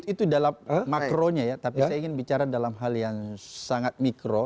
itu dalam makronya ya tapi saya ingin bicara dalam hal yang sangat mikro